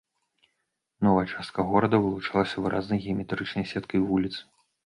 Новая частка горада вылучалася выразнай геаметрычнай сеткай вуліц.